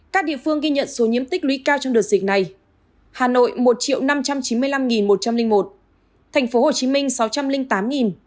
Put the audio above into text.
các địa phương ghi nhận số nhiễm tích lý cao trong đợt dịch này